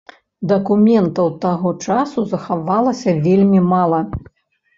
Дакументаў таго часу захавалася вельмі мала.